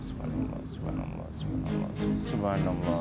semua tegajian ku mati suara